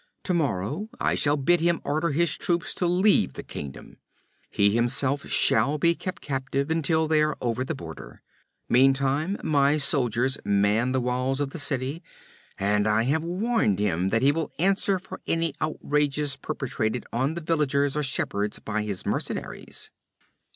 Tomorrow I shall bid him order his troops to leave the kingdom. He himself shall be kept captive until they are over the border. Meantime, my soldiers man the walls of the city, and I have warned him that he will answer for any outrages perpetrated on the villagers or shepherds by his mercenaries.'